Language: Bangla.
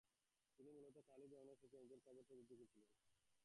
তিনি মূলত কালি, জলরঙ ও সেপিয়া নিয়ে কাজের প্রতি ঝুঁকে পড়েন।